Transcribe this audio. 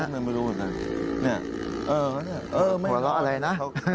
นี่เออไม่เหลาะอะไรนะ